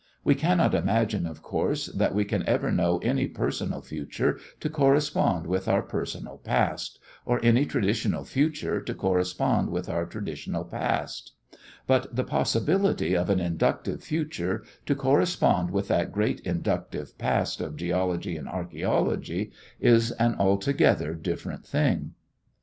We cannot imagine, of course, that we can ever know any personal future to correspond with our personal past, or any traditional future to correspond with our traditional past; but the possibility of an inductive future to correspond with that great inductive past of geology and archæology is an altogether different thing.